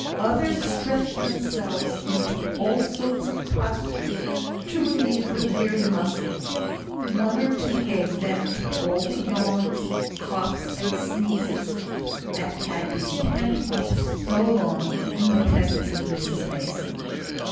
Others stretched themselves into all sorts of postures to relieve the weary muscles; one or two gave vent to all the yawns, coughs, and sneezes that had been pent up so long in the presence of Mrs Mason.